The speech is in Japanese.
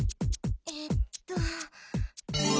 えっと。